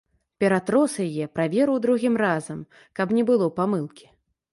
Ператрос яе, праверыў другім разам, каб не было памылкі.